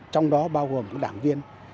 trong đó bao gồm đảng viên